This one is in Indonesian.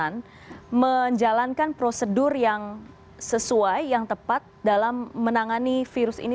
bagaimana menjalankan prosedur yang sesuai yang tepat dalam menangani virus ini